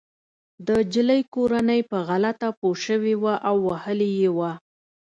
د انجلۍ کورنۍ په غلطه پوه شوې وه او وهلې يې وه